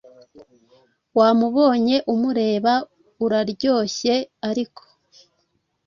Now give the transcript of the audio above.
Wamubonye, umureba, uraryohye, ariko